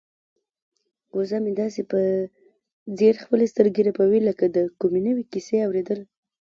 وزه مې داسې په ځیر خپلې سترګې رپوي لکه د کومې نوې کیسې اوریدل.